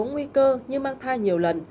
nguy cơ như mang thai nhiều lần